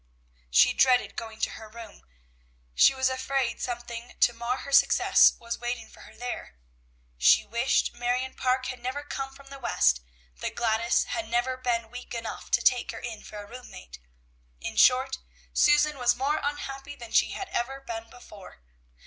She dreaded going to her room; she was afraid something to mar her success was waiting for her there. She wished Marion Parke had never come from the West, that Gladys had never been weak enough to take her in for a room mate. In short, Susan was more unhappy than she had ever been before.